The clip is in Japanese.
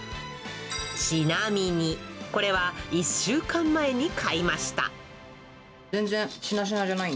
ちなみに、これは１週間前に買いました。